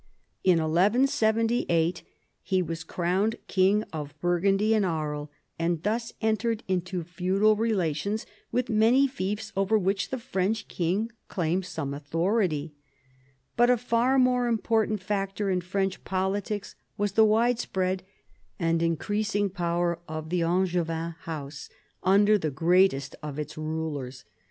In 1178 he was crowned king of Burgundy and Aries, and thus entered into feudal relations with many fiefs over which the French king claimed some authority. But a far more important factor in French politics was the 10 PHILIP AUGUSTUS chap. widespread and increasing power of the Angevin house under the greatest of its rulers.